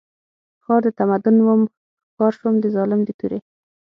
ښار د تمدن وم ښکار شوم د ظالم د تورې